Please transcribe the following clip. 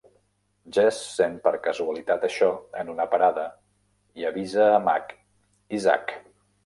Jesse sent per causalitat això en una parada i avisa a Mac i Zack.